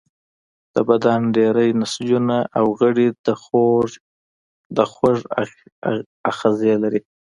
د بدن ډیری نسجونه او غړي د خوږ آخذې لري.